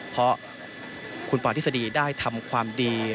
เพราะคุณปอทฤษฎีได้ทำความดี